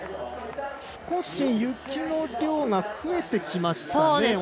少し雪の量が増えてきましたか。